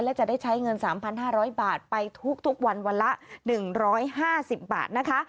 และจะได้ใช้เงิน๓๕๐๐บาทไปทุกวันวันละ๑๕๐บาทนะคะ